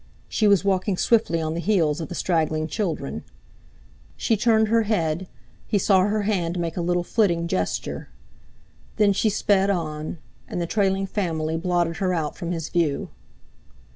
She was walking swiftly on the heels of the straggling children. She turned her head, he saw her hand make a little flitting gesture; then she sped on, and the trailing family blotted her out from his view.